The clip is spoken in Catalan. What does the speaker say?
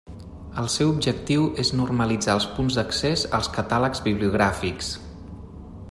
El seu objectiu és normalitzar els punts d'accés als catàlegs bibliogràfics.